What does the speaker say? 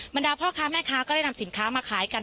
บรรดาพ่อค้าแม่ค้าก็ได้นำสินค้ามาขายกัน